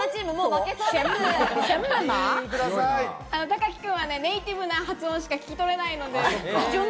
たかき君はネイティブな発音しか聞き取れないので。